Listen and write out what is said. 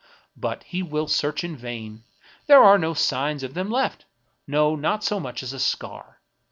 But he will search in vain ; there are no signs of them left ; no, not so much as a scar.